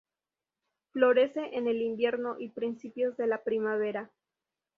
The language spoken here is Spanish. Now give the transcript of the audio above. Florece en el invierno, y principios de la primavera.